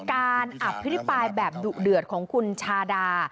การอภิปรายแบบดุเดือดของคุณชาดา